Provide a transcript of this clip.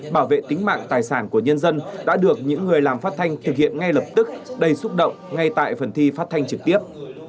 bảo vệ tính mạng tài sản của nhân dân đã được những người làm phát thanh thực hiện ngay lập tức đầy xúc động ngay tại phần thi phát thanh trực tiếp